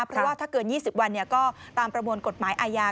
เพราะว่าถ้าเกิน๒๐วันก็ตามประมวลกฎหมายอาญา